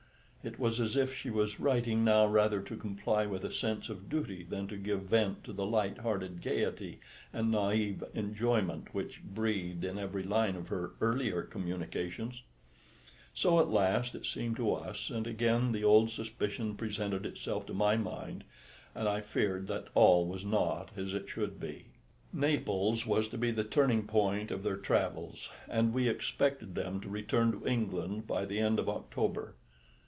It was as if she was writing now rather to comply with a sense of duty than to give vent to the light hearted gaiety and naïve enjoyment which breathed in every line of her earlier communications. So at least it seemed to us, and again the old suspicion presented itself to my mind, and I feared that all was not as it should be. Naples was to be the turning point of their travels, and we expected them to return to England by the end of October.